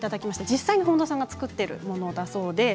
実際に本多さんが作ってるものだそうです。